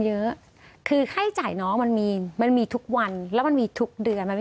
เยอะคือค่าจ่ายน้องมันมีมันมีทุกวันแล้วมันมีทุกเดือนมันไม่มี